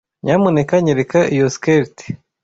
Nyamuneka nyereka iyo skirt?